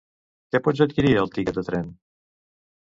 Que pots adquirir el tiquet de tren?